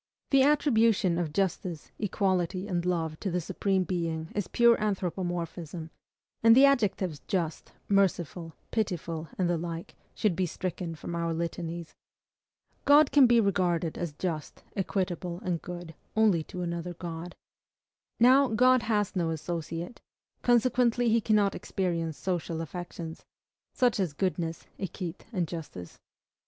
The attribution of justice, equity, and love to the Supreme Being is pure anthropomorphism; and the adjectives just, merciful, pitiful, and the like, should be stricken from our litanies. God can be regarded as just, equitable, and good, only to another God. Now, God has no associate; consequently, he cannot experience social affections, such as goodness, equite, and justice.